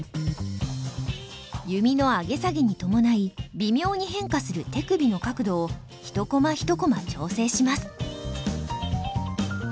弓の上げ下げに伴い微妙に変化する手首の角度を１コマ１コマ調整します。